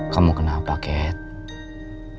kamu kenapa kate